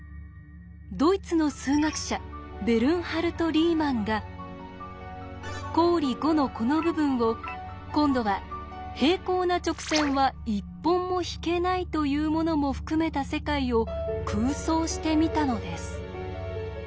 ドイツの数学者ベルンハルト・リーマンが公理５のこの部分を今度は「平行な直線は１本も引けない」というものも含めた世界を空想してみたのです。